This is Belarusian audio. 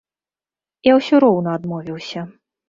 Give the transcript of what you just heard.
Я ўсё роўна адмовіўся.